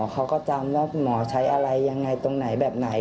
เขาก็จำว่าหมอใช้อะไรยังไงตรงไหนแบบไหน